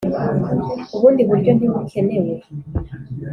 ubundi buryo ntibukenewe.